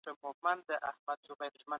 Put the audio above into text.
قران کریم د ژوند د حق په اړه لارښوونه کوي.